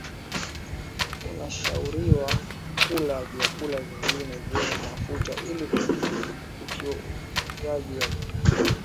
unashauriwa kula na vyakula vingine vyenye mafuta ili ufyonzwaji wa bita karotini